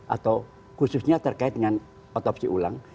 atau khususnya terkait dengan otopsi ulang